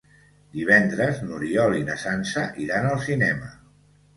Divendres n'Oriol i na Sança iran al cinema.